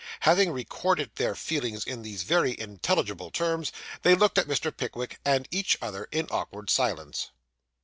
Having recorded their feelings in these very intelligible terms, they looked at Mr. Pickwick and each other in awkward silence.